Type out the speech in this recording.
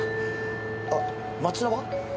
あっ町田は？